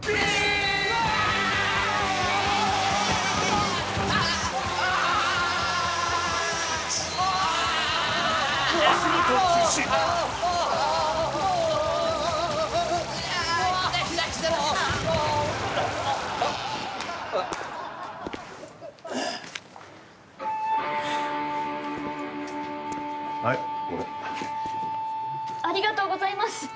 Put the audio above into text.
ありがとうございます。